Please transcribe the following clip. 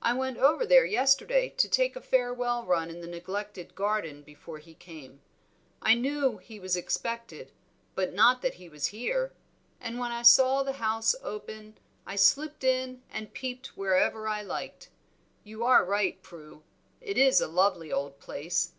"I went over there yesterday to take a farewell run in the neglected garden before he came. I knew he was expected, but not that he was here; and when I saw the house open, I slipped in and peeped wherever I liked. You are right, Prue; it is a lovely old place."